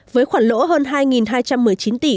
với khoản lỗ hơn hai hai trăm một mươi chín tỷ